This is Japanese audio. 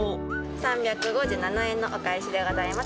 ３５７円のお返しでございます。